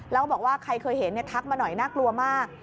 แล้วก็บอกว่าใครเคยเห็นทักมาหน่อยน่ากลัวมาก